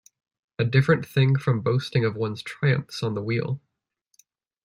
A different thing from boasting of one's triumphs on the wheel.